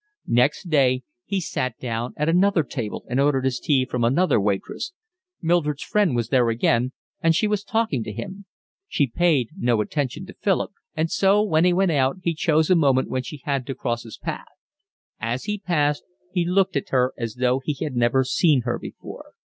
Next day he sat down at another table and ordered his tea from another waitress. Mildred's friend was there again and she was talking to him. She paid no attention to Philip, and so when he went out he chose a moment when she had to cross his path: as he passed he looked at her as though he had never seen her before.